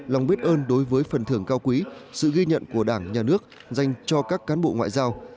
lòng biết ơn đối với phần thưởng cao quý sự ghi nhận của đảng nhà nước dành cho các cán bộ ngoại giao